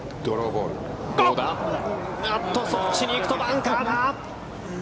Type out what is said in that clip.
そっちに行くとバンカーだ。